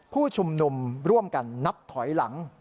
ผู้ชุมนุมร่วมกันนับถอยหลัง